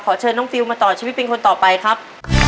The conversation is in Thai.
เชิญน้องฟิลมาต่อชีวิตเป็นคนต่อไปครับ